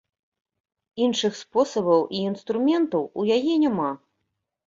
Іншых спосабаў і інструментаў у яе няма.